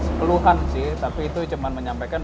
sekeluhan sih tapi itu cuma menyampaikan